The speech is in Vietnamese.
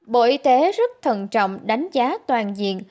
bộ y tế rất thận trọng đánh giá toàn diện